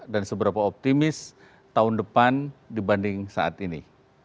dan seberapa optimis tahun depan dibanding saat ini